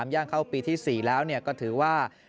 ย่างเข้าปีที่๔แล้วก็ถือว่า